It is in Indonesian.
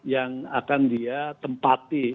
yang akan dia tempatin